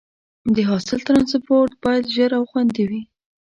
د حاصل ټرانسپورټ باید ژر او خوندي وي.